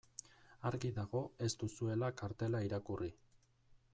Argi dago ez duzuela kartela irakurri.